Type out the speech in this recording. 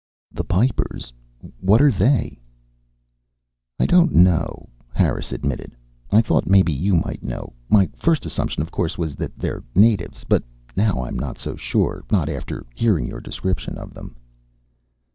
"The Pipers. What are they?" "I don't know," Harris admitted. "I thought maybe you might know. My first assumption, of course, was that they're the natives. But now I'm not so sure, not after hearing your description of them."